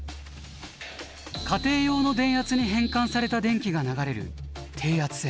家庭用の電圧に変換された電気が流れる低圧線。